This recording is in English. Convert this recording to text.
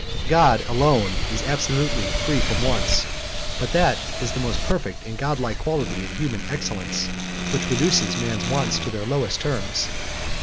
God alone is absolutely free from wants; but that is the most perfect and god like quality in human excellence which reduces man's wants to their lowest terms.